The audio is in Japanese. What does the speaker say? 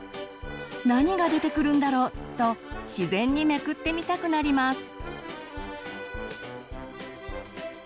何が出てくるんだろう？と自然にめくってみたくなります。